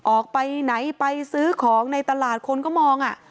ออกไปไหนไปซื้อของในตลาดคนก็มอง